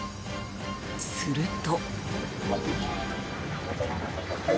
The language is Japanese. すると。